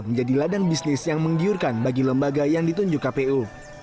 menjadi ladang bisnis yang menggiurkan bagi lembaga yang ditunjuk kpu